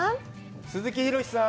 鈴木浩さん！